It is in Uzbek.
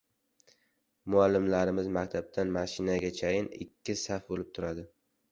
Muallimlarimiz maktabdan mashinagachayin ikki saf bo‘lib turadi.